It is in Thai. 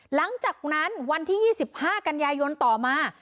หลังจากนั้นวันที่๒๕กันยายนต่อมา